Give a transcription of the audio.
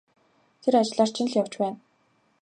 Тэр ажлаар чинь л явж байна.